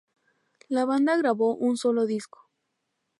La banda grabó un solo disco.